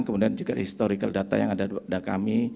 kemudian juga historical data yang ada pada kami